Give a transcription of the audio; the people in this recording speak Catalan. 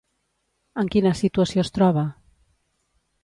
En quina situació es troba?